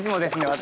私